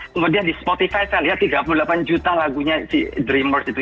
kemudian di spotify saya lihat tiga puluh delapan juta lagunya si dreammers itu